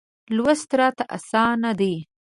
لوست راته اسانه دی.